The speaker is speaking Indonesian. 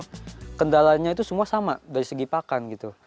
karena kendalanya itu semua sama dari segi pakan gitu